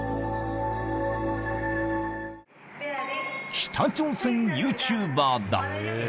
北朝鮮ユーチューバーだ。